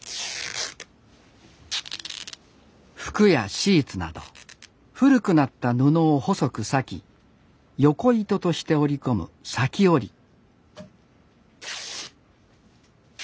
服やシーツなど古くなった布を細く裂き横糸として織り込む「裂き織り」